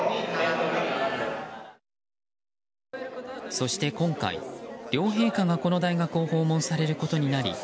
そして今回、両陛下がこの大学を訪問されることになり